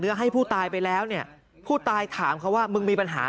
ให้ผู้ตายไปแล้วเนี่ยผู้ตายถามเขาว่ามึงมีปัญหา